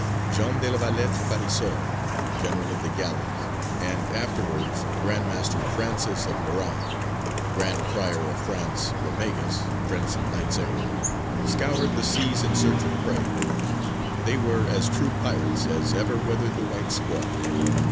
Jean de la Valette Parisot, General of the Galleys and afterwards Grand Master, Francis of Lorraine, Grand Prior of France, Romegas, prince of knights errant, scoured the seas in search of prey: they were as true pirates as ever weathered the "white squall."